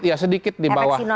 ya sedikit di bawah